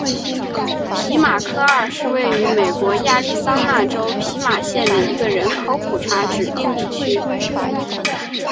皮马科二是位于美国亚利桑那州皮马县的一个人口普查指定地区。